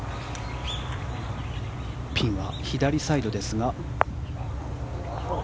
ピンは左サイドですが。